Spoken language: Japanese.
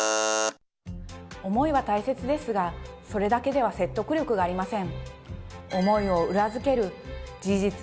「思い」はたいせつですがそれだけでは説得力がありません